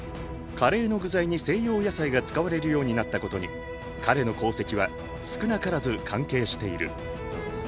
カレーの具材に西洋野菜が使われるようになったことに彼の功績は少なからず関係している。